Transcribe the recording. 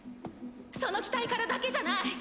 その機体からだけじゃない。